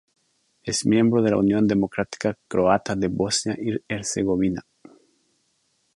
Es miembro de la Unión Democrática Croata de Bosnia y Herzegovina.